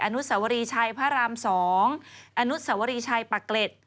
อนุสวรีชัยพระราม๒อนุสวรีชัยปะเกล็ด